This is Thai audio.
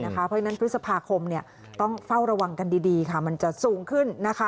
เพราะฉะนั้นพฤษภาคมต้องเฝ้าระวังกันดีมันจะสูงขึ้น